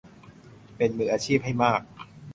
เป็นมืออาชีพให้มาก